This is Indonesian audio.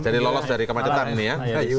jadi lolos dari kemacetan ini ya